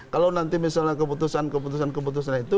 kalau nanti misalnya keputusan keputusan keputusan itu